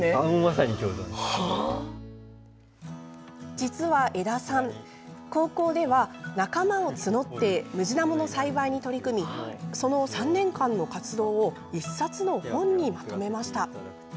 実は江田さん高校では仲間を募ってムジナモの栽培に取り組みその３年間の活動を１冊の本にまとめました。